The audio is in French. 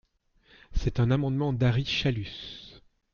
C’est un amendement d’Ary Chalus.